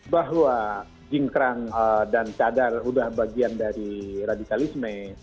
bahwa jingkrang dan cadar sudah bagian dari radikalisme